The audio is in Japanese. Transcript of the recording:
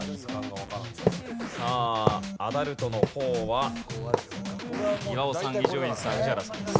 さあアダルトの方は岩尾さん伊集院さん宇治原さんです。